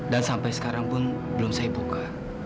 dan sampai sekarang pun belum saya buka